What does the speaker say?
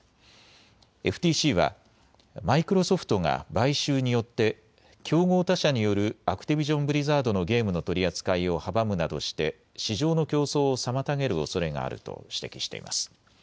ＦＴＣはマイクロソフトが買収によって競合他社によるアクティビジョン・ブリザードのゲームの取り扱いを阻むなどして市場の競争を妨げるおそれがあると指摘しています。